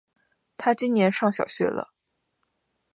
他今年上小学了